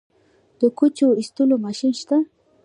د کوچو ایستلو ماشین شته؟